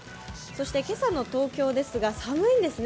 今朝の東京ですが寒いんですね。